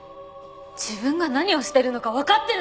自分が何をしてるのかわかってるんですか！？